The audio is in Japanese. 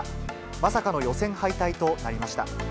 まさかの予選敗退となりました。